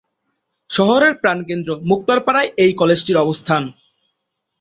শহরের প্রাণকেন্দ্র মোক্তারপাড়ায় এই কলেজটির অবস্থান।